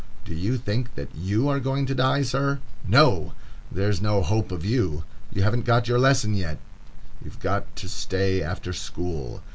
Do you think that you are going to die, sir? No! there's no hope of you. You haven't got your lesson yet. You've got to stay after school.